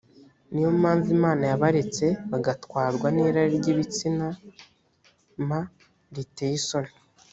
ni yo mpamvu imana yabaretse bagatwarwa n irari ry ibitsina m riteye isoni